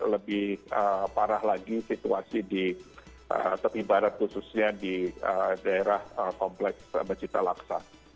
lebih parah lagi situasi di tepi barat khususnya di daerah kompleks becita laksa